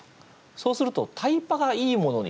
そうすると「タイパ」がいいものに飛びつく。